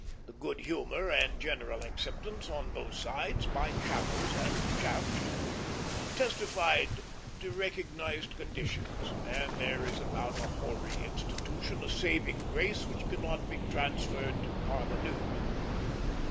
The good humor and general acceptance on both sides, by chaffers and chaffed, testified to recognized conditions; and there is about a hoary institution a saving grace which cannot be transferred to parvenus.